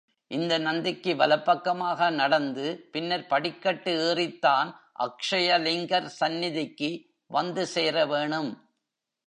இந்த நந்திக்கு வலப் பக்கமாக நடந்து பின்னர் படிக்கட்டு ஏறித்தான் அக்ஷயலிங்கர் சந்நிதிக்கு வந்து சேர வேணும்.